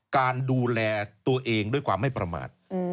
การดูแลตัวเองด้วยความไม่ประมาท